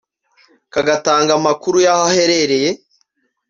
kagatanga amakuru y’aho aherereye